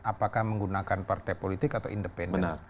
apakah menggunakan partai politik atau independen